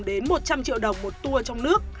đến một trăm linh triệu đồng một tour trong nước